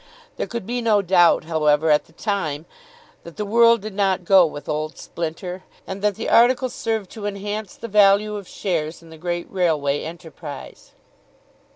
There could be no doubt, however, at the time, that the world did not go with old Splinter, and that the article served to enhance the value of shares in the great railway enterprise.